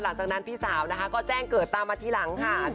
หลังจากนั้นพี่สาวนะคะก็แจ้งเกิดตามมาทีหลังค่ะ